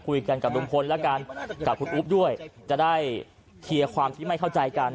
คุยกันกับลุงพลแล้วกันกับคุณอุ๊บด้วยจะได้เคลียร์ความที่ไม่เข้าใจกัน